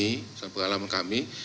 hasil pengalaman kami